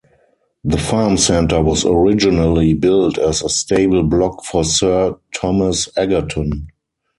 The farm centre was originally built as a stable block for Sir Thomas Egerton.